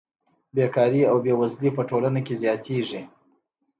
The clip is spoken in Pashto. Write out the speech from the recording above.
بېکاري او بېوزلي په ټولنه کې زیاتېږي